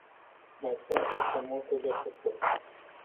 Mai sunt însă multe de făcut.